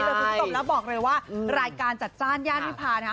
แล้วทุกคนต้องกลับบอกเลยว่ารายการจัดจ้านย่านวิพาค่ะ